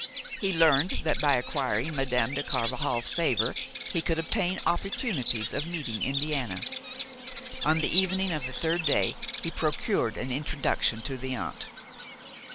He learned that by acquiring Madame de Carvajal's favor he could obtain opportunities of meeting Indiana. On the evening of the third day he procured an introduction to the aunt.